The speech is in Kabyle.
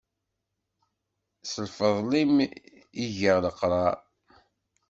S lfeḍl-im i geɣ leqrar.